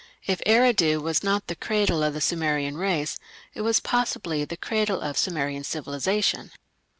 If Eridu was not the "cradle" of the Sumerian race, it was possibly the cradle of Sumerian civilization.